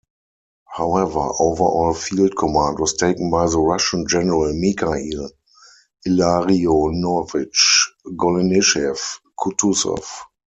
However, overall field command was taken by the Russian General Mikhail Illarionovich Golenischev-Kutusov.